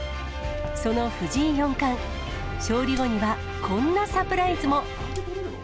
その藤井四冠、勝利後には、こんなサプライズも。